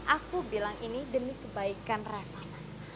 aku bilang ini demi kebaikan rafa mas